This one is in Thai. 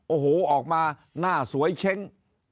โอ้โหออกมาหน้าสวยเช้ง